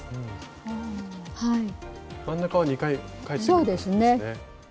真ん中は２回返ってくる感じですね。